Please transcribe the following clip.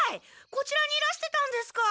こちらにいらしてたんですか！